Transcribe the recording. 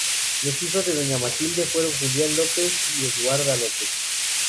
Los hijos de doña Matilde fueron Julián López y Eduarda López.